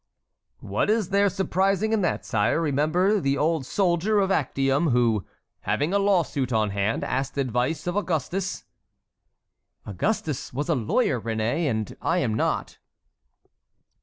"What is there surprising in that, sire? Remember the old soldier of Actium who, having a law suit on hand, asked advice of Augustus." "Augustus was a lawyer, Réné, and I am not."